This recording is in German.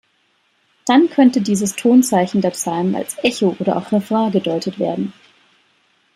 Dann könnte dieses Tonzeichen der Psalmen als Echo oder auch Refrain gedeutet werden.